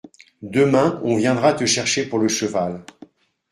Demain, on viendra te chercher pour le cheval.